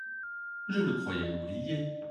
Je le croyais oublié.